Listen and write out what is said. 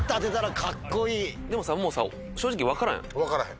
でもさもう正直分からんやん